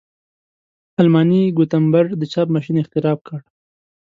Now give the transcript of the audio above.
آلماني ګونتبر د چاپ ماشین اختراع کړ.